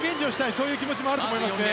そういう気持ちもあると思いますね。